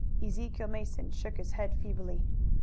Ezekiel Mason shook his head feebly.